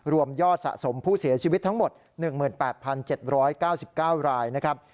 รวมยอดสะสมผู้เสียชีวิตทั้งหมด๑๘๗๙๙รายนะครับ